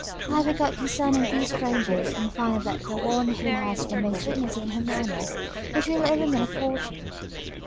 "I have enquired concerning these strangers, and find that the one who has the most dignity in her manners, is really a woman of fortune."